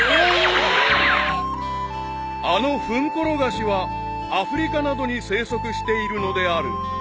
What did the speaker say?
［あのフンコロガシはアフリカなどに生息しているのである］